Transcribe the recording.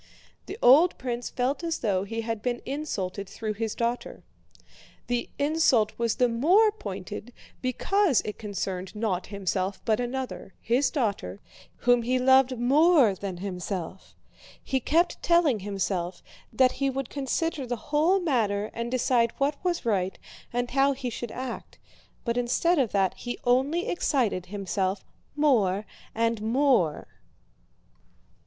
The old prince felt as though he had been insulted through his daughter. The insult was the more pointed because it concerned not himself but another, his daughter, whom he loved more than himself. He kept telling himself that he would consider the whole matter and decide what was right and how he should act, but instead of that he only excited himself more and more.